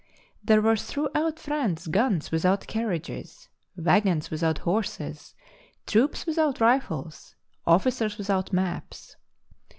There were throughout' France guns without carriages, waggons without horses, troops without rifles, officers without maps.